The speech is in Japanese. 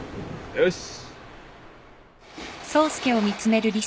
よし。